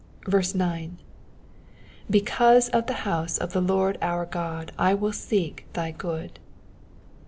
9. ^''Because of the house of the Lord our God I will seek thy good.'